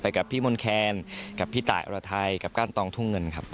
กับพี่มนต์แคนกับพี่ตายอรไทยกับก้านตองทุ่งเงินครับ